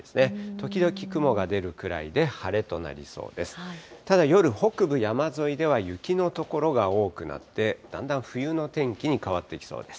時々雲が出るくらいで、晴れとなりそうです。